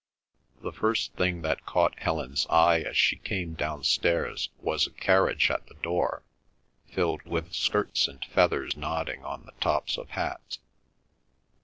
The first thing that caught Helen's eye as she came downstairs was a carriage at the door, filled with skirts and feathers nodding on the tops of hats.